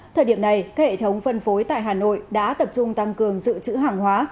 thời điểm này các hệ thống phân phối tại hà nội đã tập trung tăng cường dự trữ hàng hóa